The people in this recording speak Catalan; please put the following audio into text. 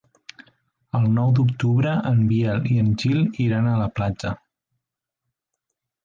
El nou d'octubre en Biel i en Gil iran a la platja.